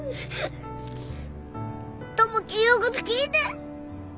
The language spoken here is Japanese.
友樹言うこと聞いて。